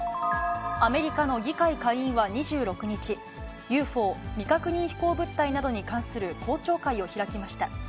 アメリカの議会下院は２６日、ＵＦＯ・未確認飛行物体などに関する公聴会を開きました。